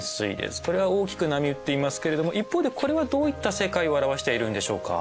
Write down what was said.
これは大きく波打っていますけれども一方でこれはどういった世界を表しているんでしょうか？